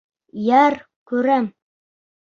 — Яр күрәм!